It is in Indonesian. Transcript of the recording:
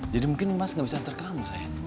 jadi mungkin mas gak bisa antar kamu sayang